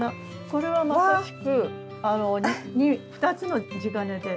これはまさしく２つの地金で。